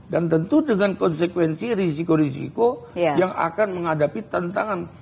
dan tentu dengan konsekuensi risiko risiko yang akan menghadapi tantangan